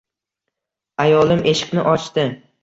Ayolim eshikni ochdi